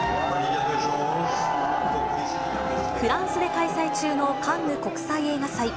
フランスで開催中のカンヌ国際映画祭。